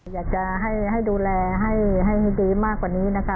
อยากจะให้ดูแลให้ดีมากกว่านี้นะคะ